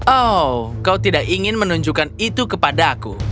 oh kau tidak ingin menunjukkan itu kepada aku